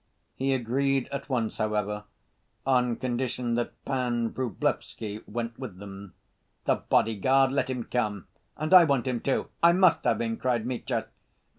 He agreed at once, however, on condition that Pan Vrublevsky went with them. "The bodyguard? Let him come, and I want him, too. I must have him!" cried Mitya.